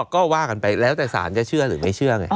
ก็ว่ากันไปแล้วแต่สารจะเชื่อหรือไม่เชื่อไง